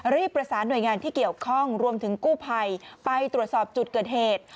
รีบประสานหน่วยงานที่เกี่ยวข้องรวมถึงกู้ภัยไปตรวจสอบจุดเกิดเหตุ